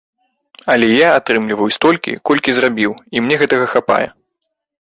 Але я атрымліваю столькі, колькі зрабіў, і мне гэтага хапае.